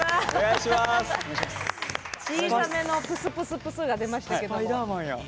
小さめのプスプスプスが出ました。